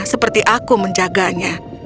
seperti aku menjaganya